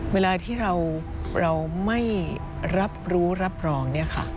เวลาที่เราไม่รับรู้รับรอง